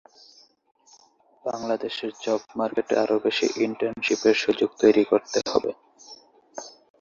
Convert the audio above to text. এটি দু’টি নীল-সাদা প্রধান পর্যায়ভুক্ত তারা নিয়ে গঠিত।